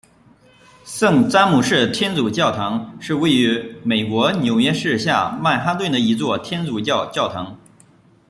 圣詹姆士天主教堂是位于美国纽约市下曼哈顿的一座天主教教堂。